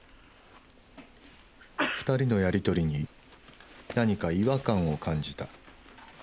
２人のやり取りに何か違和感を感じた。